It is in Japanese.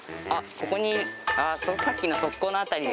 ここにあっさっきの側溝の辺りで。